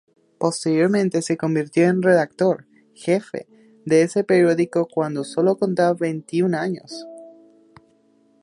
Posteriormente se convirtió en redactor-jefe de ese periódico cuando solo contaba veintiún años.